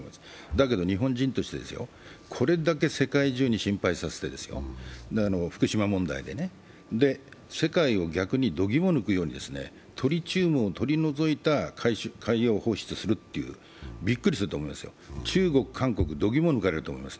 だけど日本人として、これだけ世界中に心配させてですよ、福島問題でねで、世界を逆にどぎもを抜かせる勢いでトリチウムを取り除いた海洋放出するという、びっくりすると思いますよ、中国や韓国、度肝を抜かれると思います。